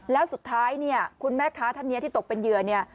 แล้วสุดท้ายเนี่ยคุณแม่ค้าท่านนี้ที่ตกเป็นเหยื่อเนี่ย